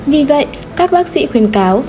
vì vậy các bác sĩ khuyên cáo